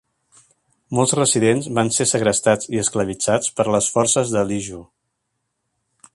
Molts residents van ser segrestats i esclavitzats per les forces de Li Jue.